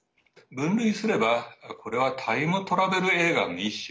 分類すればこれはタイムトラベル映画の一種。